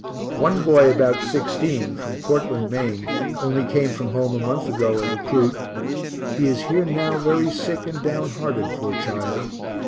One boy about 16, from Portland, Maine, only came from home a month ago, a recruit; he is here now very sick and down hearted, poor child.